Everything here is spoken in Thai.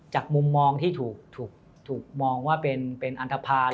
มุมมองที่ถูกมองว่าเป็นอันทภาณ